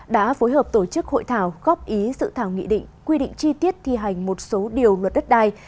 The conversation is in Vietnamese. đã phối hợp tổ chức hội thảo góp ý sự thảo nghị định quy định chi tiết thi hành một số điều luật đất đai